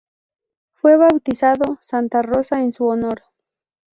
Fue bautizado ""Santa Rosa"" en su honor.